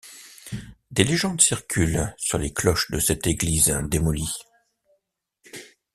Des légendes circulent sur les cloches de cette église démolie.